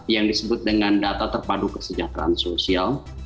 yang disebut dengan data terpadu kesejahteraan sosial